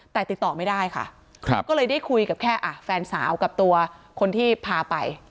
แต่ติดต่อไม่ได้ค่ะก็เลยได้คุยกับแค่แฟนสาวกับตัวคนที่พาไป